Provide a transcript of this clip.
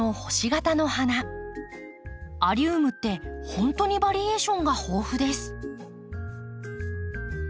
アリウムって本当にバリエーションが豊富です。